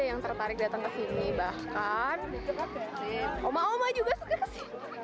yang tertarik datang ke sini bahkan oma oma juga suka ke sini